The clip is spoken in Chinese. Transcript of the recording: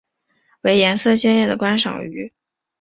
为色彩鲜艳的观赏鱼。